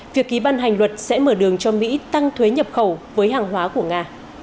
việc ký ban hành luật sẽ mở đường cho mỹ tăng thuế nhập khẩu với hàng hóa của nga